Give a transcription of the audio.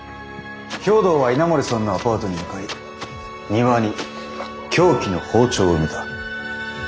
兵藤は稲森さんのアパートに向かい庭に凶器の包丁を埋めた。